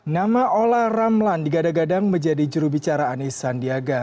nama ola ramlan digadang gadang menjadi jurubicara anies sandiaga